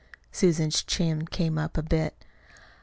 Susan's chin came up a bit.